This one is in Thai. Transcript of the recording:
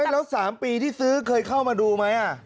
แล้ว๓ปีที่ซื้อเคยเข้ามาดูไหม